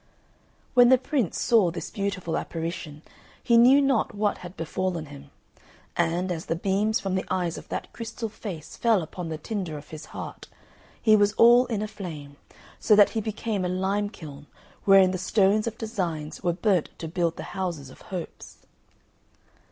When the Prince saw this beautiful apparition he knew not what had befallen him; and, as the beams from the eyes of that crystal face fell upon the tinder of his heart, he was all in a flame, so that he became a lime kiln wherein the stones of designs were burnt to build the houses of hopes.